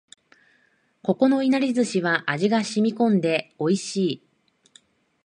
ここのいなり寿司は味が染み込んで美味しい